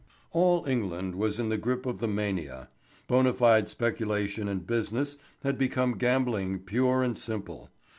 All England was in the grip of the mania. Bona fide speculation and business had become gambling pure and simple.